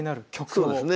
そうですね。